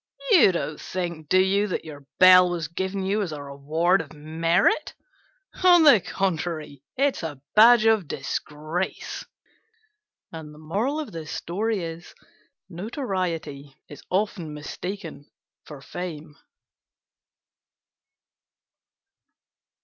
You don't think, do you, that your bell was given you as a reward of merit? On the contrary, it is a badge of disgrace." Notoriety is often mistaken for fame.